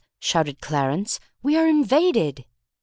shouted Clarence. "We are invaded!"